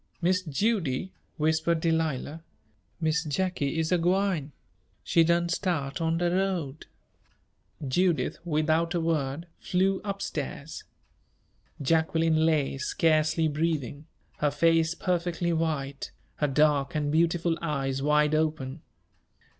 "Miss Judy," whispered Delilah, "Miss Jacky is a gwine she done start on de road " Judith, without a word, flew up stairs. Jacqueline lay, scarcely breathing, her face perfectly white, her dark and beautiful eyes wide open.